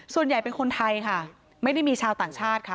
ส่วนใหญ่เป็นคนไทยค่ะไม่ได้มีชาวต่างชาติค่ะ